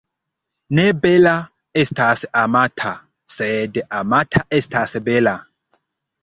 Ne bela estas amata, sed amata estas bela.